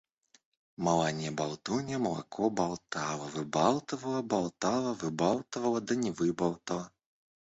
Маланья-болтунья молоко болтала-выбалтывала, болтала-выбалтывала, да не выболтала.